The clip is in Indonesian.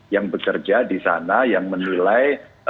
yang bekerja di sana yang menilai